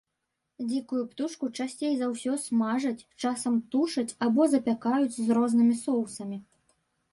Дзікую птушку часцей за ўсё смажаць, часам тушаць або запякаюць з рознымі соусамі.